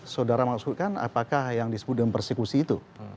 saudara maksudkan apakah yang disebut dempersekusi itu